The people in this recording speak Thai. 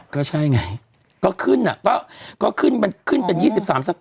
ก็ใช่ไงก็ขึ้นเป็น๒๓ตังต์